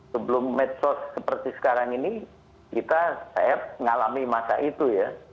sebelum medsos seperti sekarang ini kita saya mengalami masa itu ya